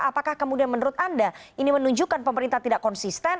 apakah kemudian menurut anda ini menunjukkan pemerintah tidak konsisten